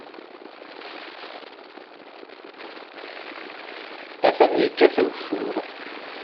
Atan yekkat ugeffur.